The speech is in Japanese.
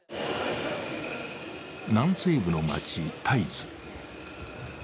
南西部の街・タイズ。